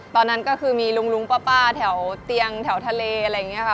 ตอนนั้นก็คือมีลุงป้าแถวเตียงแถวทะเลอะไรอย่างนี้ค่ะ